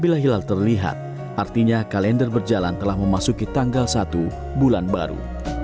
bila hilal terlihat artinya kalender berjalan telah memasuki tanggal satu bulan baru